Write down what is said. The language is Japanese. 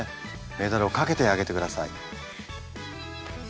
メダルを掛けてあげてください。